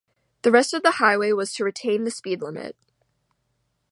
The rest of the highway was to retain the speed limit.